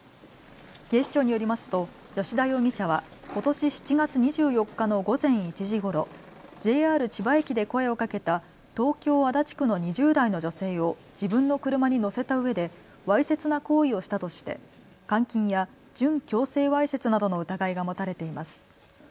警視庁によりますと吉田容疑者はことし７月２４日の午前１時ごろＪＲ千葉駅で声をかけた東京足立区の２０代の女性を自分の車に乗せたうえでわいせつな行為をしたとして監禁や準強制わいせつなどの疑いが持たれています。